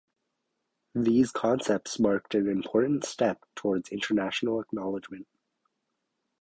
These concerts marked an important step towards international acknowledgement.